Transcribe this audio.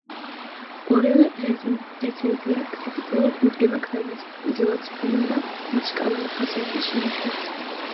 ორივე რეცენზია კრიტიკულად უდგება კრებულს, იძლევა წმნიდა მუსიკალური ხასიათის შენიშვნებს.